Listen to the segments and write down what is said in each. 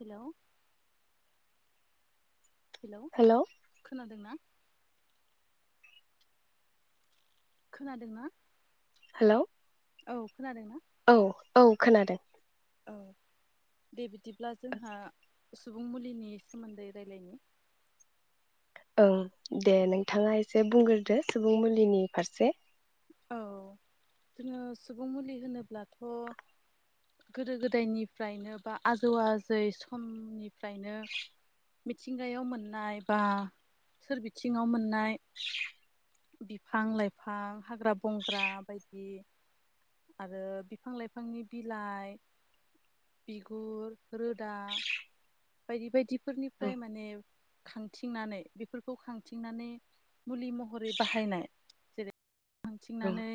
Hello hello खोनादोंना? खोनादोंना? Hello. औ खोनादों ना? औ औ खोनादों। औ दे बि दिब्ला जोंहा सुबुं मुलिनि सोमोन्दै रायलायनि ओं। दे नोंथाङा एसे बुंग्रोदो सुबुं मुलिनि फारसे। औ जोङो सुबुं मुलि होनोब्लाथ' गोदो गोदायनिफ्रायनो बा आजौ आजै समनिफ्रायनो मिथिंगायाव मोननाय बा सोरबिथिङाव मोननाय बिफां लाइफां हाग्रा बंग्रा बायदि आरो बिफां लाइफांनि बिलाइ बिगुर रोदा बायदि औ बायदिफोरनिफ्राय माने खांथिंनानै बेफोरखौ खांथिंनानै मुलि महरै बाहायनाय जेरै औ खांथिंनानै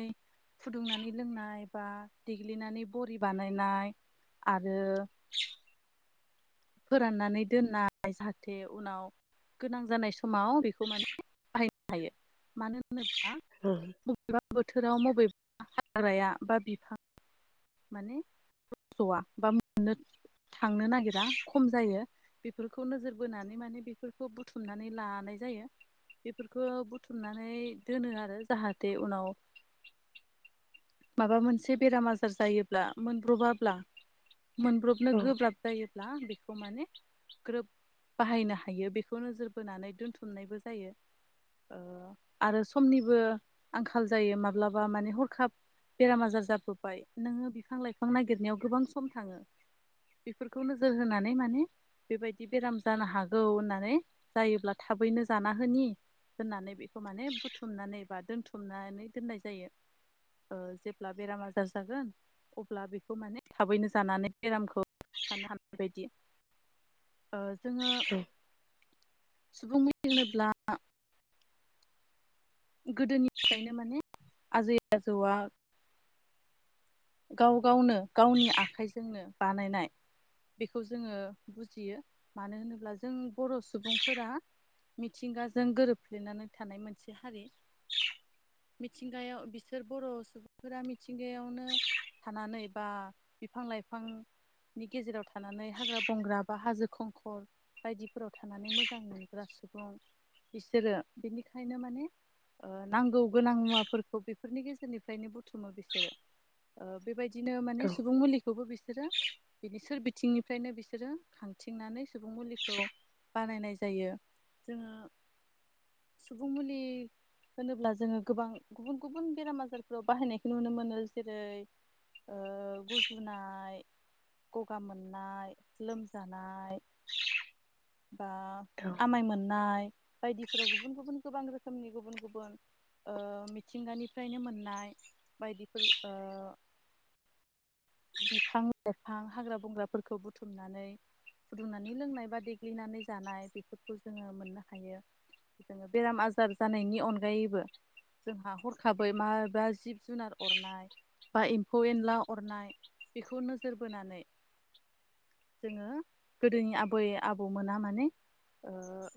फुदुंनानै लोंनाय बा देग्लिनानै बरि बानायनाय आरो फोराननानै दोननाय जाहाथे उनाव गोनां जानाय समाव बेखौ माने बाहायनो हायो मानो औ होन [unintelligible] बोथोराव बबेबा हाग्राया बा बिफां माने रजआ बा मोननो थांनो नागिरा खम जायो बेफोरखौ नोजोर बोनानै माने बेफोरखौ बुथुमनानै लानाय जायो बेफोरखौ बुथुमनानै दोनो आरो जाहाथे उनाव माबा मोनसे बेरामा जायोब्ला मोनब्रबाब्ला मोनब्रबनो औ गोब्राब जायो। बेखौ माने ग्रोब बाहायनो हायो। बेखौ नोजोर बोनानै दोनथुमनायबो जायो। आरो समनिबो आंखाल जायो माब्लाबा माने हरखाब बेराम आजार जाबो बाय नोङो बिफां लाइफां नायगिरनायाव गोबां सम थाङो बेफोरखौ नोजोर होनानै माने बेबायदि बेराम जानो हागौ होननानै जायोब्ला थाबैनो जाना होनि होननानै बेखौ माने बुथुमनानै बा दोनथुमनानै दोननाय जायो। ओ जेब्ला बेराम आजार जागोन अब्ला बेखौ माने थाबैनो जानानै बेरामखौ फाहामनो हानाय बायदि। ओ जोङो। सुबुं मुलि होनोब्ला गोदोनिफ्रायनो माने आजै आजौआ गाव गावनो गावनि आखाइजोंनो बानायनाय बेखौ जोङो बुजियो मानो होनोब्ला जों बर सुबुंफोरा मिथिंगाजों गोरोबफ्लेनानै थानाय मोनसे हारि। मिथिंगायाव बिसोर बर' सुबुंफोरा मिथिंगायावनो थानानै बा बिफां लाइफांनि गेजेराव था नानै हाग्रा बंग्रा बा हाजो खंखर बायदिफोराव थानानै मोजां मोनग्रा सुबुं बिसोरो बिनिखायनो माने ओ नांगौ। गोनां मुवाफोरखौ बेफो गेजेरनिफ्रायनो बुथुमो बिसोरो ओ बेबायदि बिदिनो माने औ सुबुं मुलिखौबो बिसोरो बिनि सोर बिथिंनिफ्रायनो बिसोरो खांथिंनानै सुबुं मुलिखौ बानायनाय जायो। जोङो सुबुं मुलि होनोब्ला जोङो गोबां गुबुन गुबुन बेराम आजारफोराव बाहायनायखौ नुनो मोनो जेरै गुजुनाय गगा मोननाय लोमजानाय बा औ आमाय मोननाय बायदिफोराव गुबुन गुबुन गोबां रोखोमनि गुबुन गुबुन ओ मिथिंगानिफ्रायनो मोननाय बायदिफोर बिफां लाइफां हाग्रा बंग्राफोरखौ बुथुमनानै फुदुंनानै लोंनाय बा देग्लिनानै जानाय बेफोरखौ जोंङो मोननो हायो, जोङो बेराम आजार जानायनि अनगायैबो जोंहा हरखाबै माबा जिब जुनार अरनाय बा एम्फौ एनला अरनाय बेखौ नोजोर बोनानै जोंङो गोदोनि आबै आबौमोना माने ओ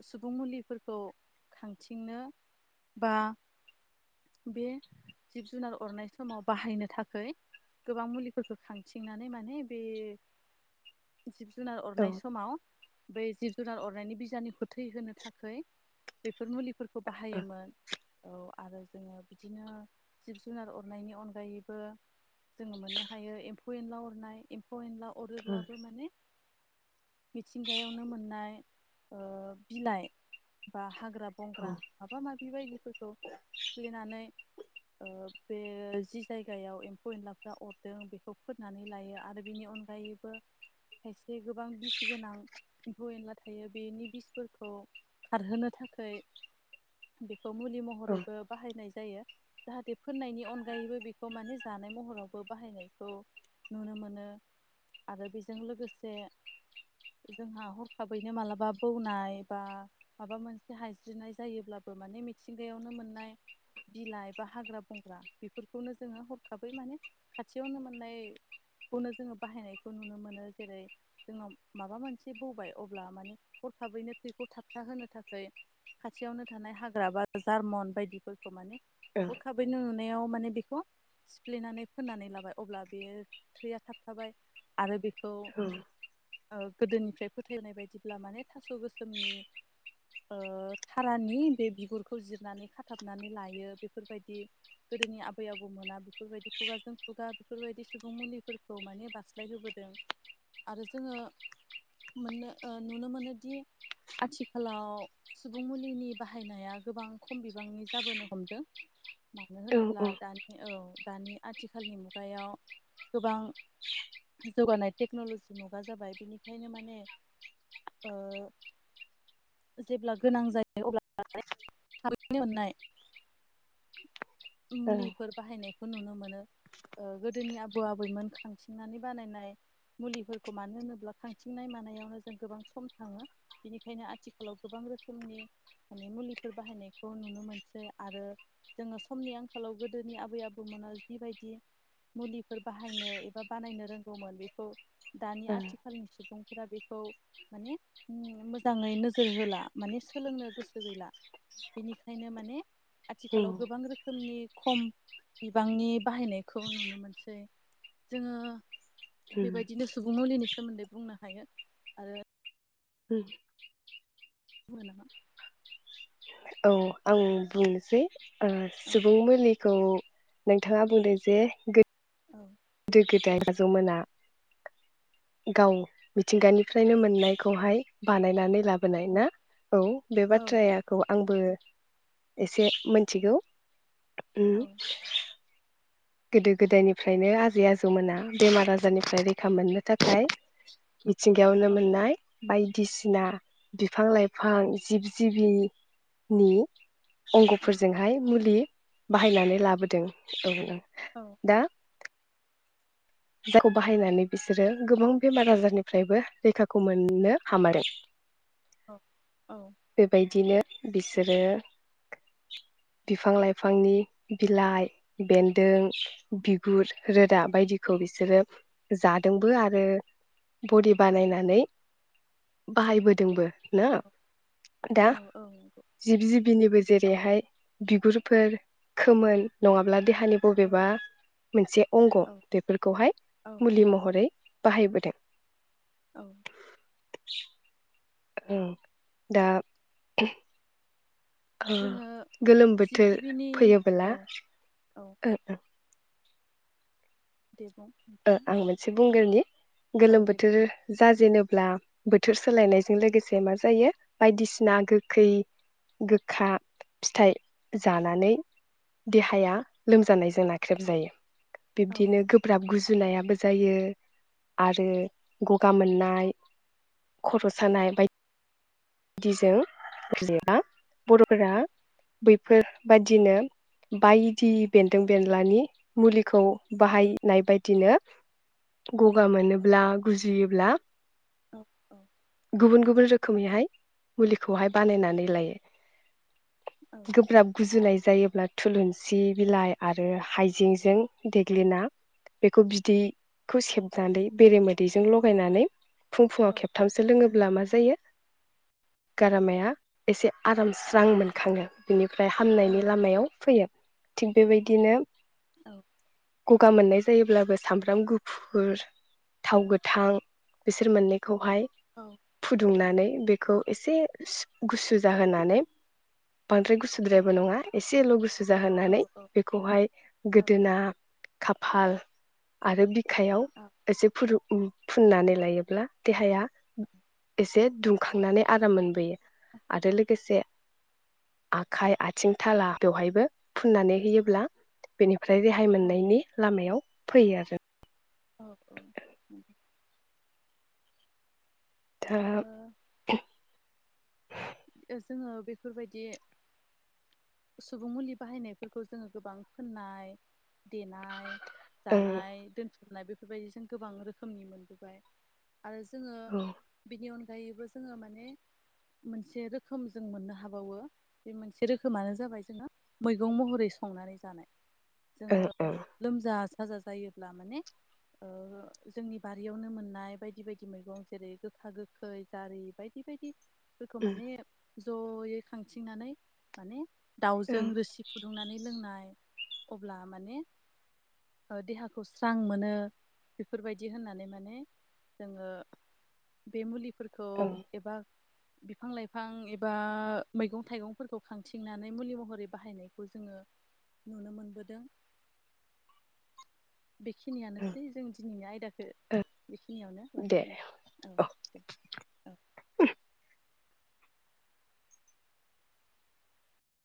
सुबुं मुलिफोरखौ खांथिंनो बा बे जिब जुनार अरनाय समाव बाहायनो थाखाय गोबां मुलि फोरखौ खांथिंनानै माने बे जिब जुनार औ अरनाय समाव बे जिब जुनार अरनायनि बिजानुखौ थैहोनो थाखाय बेफोर मुलिफोरखौ बाहायोमोन, औ आरो जोंङो बिदिनो जिब जुनार अरनायनि अनगायैबो जोंङो मोननो हायो एम्फौ एनला अरनाय एम्फौ एनला अरोब्लाबो माने मिथिंगायावनो मोननाय ओ बिलाइ बा हाग्रा बंग्रा माबा माबि बायदिफोरखौ सिफ्लेनानै बे जि जायगायाव एम्फौ एनलाफ्रा अर थों बेखौ फोननानै लायो आरो बेनि अनगायैबो खायसे गोबां बिस गोनां एम्फौ एनला थायो बेनि बिसफोरखौ खारहोनो थाखाय बेखौ मुलि महरैबो बाहायनाय जायो, जाहाथे फोननायनि अनगायैबो बेखौ माने जानाय महरावबो बाहायनायखौ नुनो मोनो आरो बेजों लोगोसे जोंहा हरखाबैनो मालाबा बौनाय बा माबा मोनसे हायज्रिनाय जायोब्लाबो माने मिथिंगायावनो मोननाय बिलाइ बा हाग्रा बंग्रा बेफोरखौनो जोंङो हरखाबै माने खाथियावनो मोननायखौनो जोंङो बाहायनायखौ नुनो मोनो जेरै जोंङो माबा मोनसे बौबाय अब्ला माने हरखाबैनो थैखौ थाबथाहोनो थाखाय खाथियावनो थानाय हाग्रा बा जार्मन बायदिफोरखौ माने औ हरखाबैनो [unintelligible] माने बिखौ सिफ्लेनानै‌ फोननानै लाबाय अब्ला बे थैया थाबथाबाय आरो बे ओ गोदोनिफ्राय फोथायनाय बायदिब्ला माने थास गोसोमनि ओ थारानि बे बिगुरखौ जिरनानै खाथाबनानै लायो बेफोरबायदि गोदोनि आबै आबौमोना बेफोरबायदि खुगाजों खुगा बेफोरबायदि सुबुं मुलिफोरखौ माने बास्लायहोबोदों आरो जोंङो मोननो नुनो मोनोदि आथिखालाव सुबुं मुलिनि बाहायनाया गोबां खम बिबांनि जाबोनो हमदों। मानो उम होनोब्ला दानि औ दानि आथिखालनि मुगायाव गोबां जौगानाय टेक्नलजि मुगा जाबाय बिनिखायनो माने ओ जेब्ला गोनां जायो अब्ला माने मुलिफोर बाहायनाय खौ नुनो मोनो ओ गोदोनि आबौ आबैमोन खांथिंनानै बानायनाय मुलिफोरखौ मानो होनोब्ला खांथिंनाय मानायावनो जों गोबां सम थाङो बेनिखायनो आथिखालाव गोबां रोखोमनि माने मुलिफोर बाहायनायखौ नुनो मोनसै आरो जोंङो समनि आंखालाव गोदोनि आबै आबौमोना जिबायदि मुलिफोर बाहायनो एबा बानायनो रोंगौमोन बेखौ दानि आथिखालनिसो सुबुंफोरा बेखौ माने मोजाङै नोजोर होला माने सोलोंनो गोसो गैला बेनिखायनो माने आथिखालाव गोबां रो रोखोमनि खम बिबांनि बाहायनायखौ नुनो मोनसै जोंङो उम बेबायदिनो सुबुं मुलिनि सोमोन्दै बुंनो हायो आरो उम्म बुंङा नामा? औ आं बुंनोसै। ओ औ सुबुं मुलि खौ नोंथांङा बुंदों जे औ गो गोदाय आजौमोना गाव मिथिंगानिफ्रायनो मोननायखौहाय बानायनानै ला बोनाय औ ना औ बे औ बाथ्राखौ आंबो एसे मिथिगौ। औ। गोदो गोदायनिफ्रायनो आजै आ जौ मोना बेमार आजारनिफ्राय रैखा मोननो थाखाय मिथिंगायावनो औ मोननाय बायदिसिना बिफां लाइफां जिब जिबि नि औ अंगफोरजोंहाय मुलि बाहायनानै लाबोदों औ औं औ। जायखौ बाहायनानै बिसोरो गोबां बेमार आजारनिफ्रायबो रैखाखौ मोननो हामारो। औ औ बेबायदिनो बिसोरो बिफां लाइफांनि बिलाइ बेन्दों बिगुर रोदा बायदि खौ बिसोरो जादोंबो आरो बरि बानायनानै बाहायबोदोंबो। ना दा औ नंगौ जिब जिबिनिबो जेरैहाय बिगुरफोर खोमोन नङाब्ला देहानि औ बबेबा मोनसे अंग औ बेफोरखौहाय औ मुलि महरै बाहायबोदों। औ। [unintelligible] औ दा ओ जोङो गोलोम जिब बोथोर जिबिनि फैयोबोला औ औ ओ ओ। देबुं। ओ आं मोनसे बुंग्रोनि औ गोलोम दे बोथोर बुं जाजेनोब्ला बोथोर सोलायनायजों लोगोसे मा जायो बायदिसिना गोखै गोखा फिथाइ जानानै देहाया लोमजानायजों नाख्रेब जायो। औ बिब्दिनो गोब्राब गुजु जुनायाबो जायो आरो गगा मोननाय खर' सानाय बाय दिजों जेनेबा बर'फोरा औ बैफोरबादिनो बायदि बेन्दों बेनलानि मुलिखौ बाहायनाय बाय दिनो गगा मोनोब्ला गुजुयोब्ला औ औ। गुबुन गुबुन रोखोमैहाय मुलिखौहाय बानायनानै लायो। गोब्राब गुजुनाय जायोब्ला थुलुनसि बिलाइ आरो हाइजेंजों देग्लिना बेखौ बिदैखौ सेबनानै बेरेमोदैजों लगायनानै फुं फुंआव औ खेबथामसो लोङोब्ला मा जायो? गारामाया एसे आराम स्रां मोनखाङो बिनिफ्राय औ हामनायनि लामायाव फैयो। थिग बेबायदिनो औ। गगा मोननाय जायोब्लाबो सामब्राम गुफुर थाव गोथां बिसोर मोननैखौ खौहाय फुदुंनानै खौ एसे सु गुसु जाहोनानै बांद्राय गुसुद्रायबो नङा एसेल गुसु औ जाहोनानै औ बेखौहाय औ गोदोना खाफाल आरो बि खायाव औ एसे फुरु उम फुननानै लायोब्ला देहाया एसे दुंखांनानै आराम मोनबोयो। औ आरो लोगोसे आखाय आथिं थाला बेवहायबो फुननानै होयोब्ला बेनि ओमफ्राय रेहाय औ मोननायनि लामायाव फैयो आरो। औ ओं उम। थाहाब जोङो बेफोरबायदि सुबुं मुलि बाहायनायफोरखौ जोङो गोबां फोननाय देनाय ओं जानाय दोनथु नाय बेफोरबायदिजों गोबां रोखोमनि मोनबोबाय। आरो जोङो औ बिनि अन गायैबो जोङो माने मोनसे रोखोम जों मोननो हाबावो बे मोनसे रोखोमानो जाबाय जोंहा मैगं महरै संनानै जानाय। ओं जोङो ओं लोमजा साजा जायोब्ला माने ओ जोंनि बारियावनो मोननाय बायदि बायदि मैगं जेरै गोखा गोखै जारि बायदि बायदि। फोरखो माने जयै खांथिंनानै माने दाउजों ओं रोसि फुदुंनानै लोंनाय अब्ला माने ओ देहाखौ स्रां मोनो बेफोरबायदि होननानै माने जोङो बे मुलि फोरखौ ओं एबा बिफां लाइफां एबा मैगं थाइगंफोरखौ खांथिंनानै मुलि महरै बाहायनायखौ जोङो नुनो मोनबोदों। ओं बेखिनियानोसै जों दिनैनि आयदाखौ बेखिनियावनो दे लाखिगोन औ दे औ।